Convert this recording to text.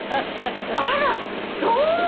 「あらそう」。